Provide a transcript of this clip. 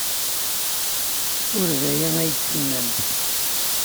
Ur d aya ay d-tennamt.